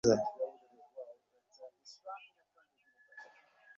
সব ধুয়ে-মুছে আর-একবার গোড়া থেকে পরীক্ষা করো প্রভু!